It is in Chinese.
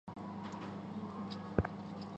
其主题曲则由陶大伟创作。